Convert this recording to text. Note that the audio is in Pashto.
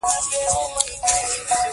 غوتفریډ لایبینټس والي ته عریضه ولیکله.